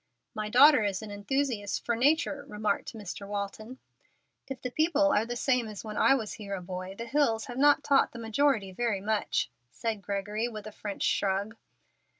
"My daughter is an enthusiast for nature," remarked Mr. Walton. "If the people are the same as when I was here a boy, the hills have not taught the majority very much," said Gregory, with a French shrug.